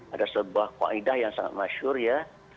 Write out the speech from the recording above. ada sebuah qaedah yang sangat masyur ya